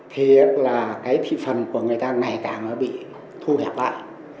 thì là cái thị phần của người ta ngày càng bị thu hẹp lại